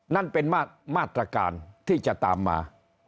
นั่นเป็นมาตรการที่จะตามมา